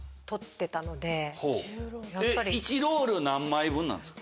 １ロール何枚分なんですか？